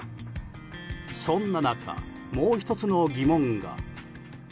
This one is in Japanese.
そんな中、もう１つの疑問が。